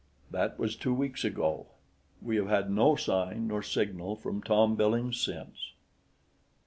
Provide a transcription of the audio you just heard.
That was two weeks ago. We have had no sign nor signal from Tom Billings since.